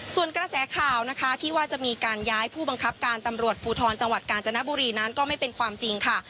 ส่วนกระแสข่าวนะคะที่ว่าจะมีการย้ายผู้บังคับการตำรวจภูทรจังหวัดกาญจนบุรีนั้นก็ไม่เป็นความจริงค่ะ